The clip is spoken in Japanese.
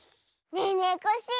ねえねえコッシー